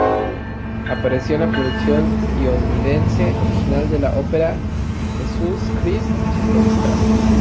Apareció en la producción londinense original de la ópera "Jesus Christ Superstar".